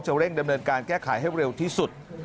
เร่งดำเนินการแก้ไขให้เร็วที่สุด